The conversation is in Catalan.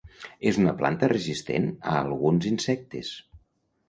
És una planta resistent a alguns insectes.